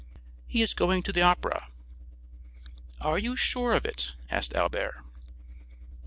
"He is going to the Opera." "Are you sure of it?" asked Albert.